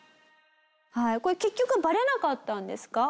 これ結局バレなかったんですか？